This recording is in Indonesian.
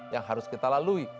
yang harus kita lalui